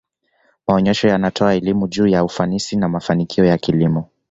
maonesha yanatoa elimu juu ya ufanisi na mafanikio ya kilimo